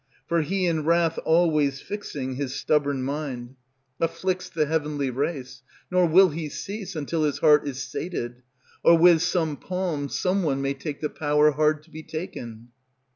for he in wrath always Fixing his stubborn mind, Afflicts the heavenly race; Nor will he cease, until his heart is sated; Or with some palm some one may take the power hard to be taken.